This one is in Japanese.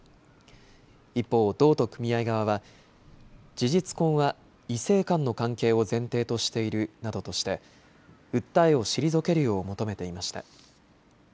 一方、道と組合側は事実婚は異性間の関係を前提としているなどとして訴えを退けるよう求めていました。